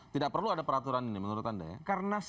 tidak perlu ada peraturan ini menurut anda ya